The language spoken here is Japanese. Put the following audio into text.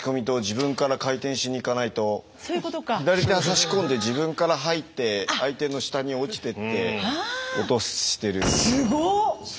よほど左手は差し込んで自分から入って相手の下に落ちてって落としてる。